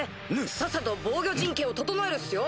さっさと防御陣形を整えるっすよ。